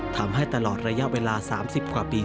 ทำให้ตลอดระยะเวลา๓๐กว่าปี